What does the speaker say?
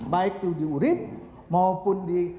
baik itu di urin maupun di